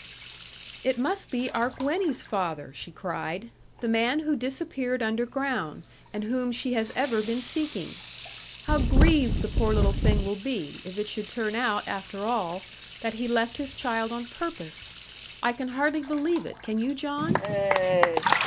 'It must be our Gwenny's father,' she cried; 'the man who disappeared underground, and whom she has ever been seeking. How grieved the poor little thing will be, if it should turn out, after all, that he left his child on purpose! I can hardly believe it; can you, John?'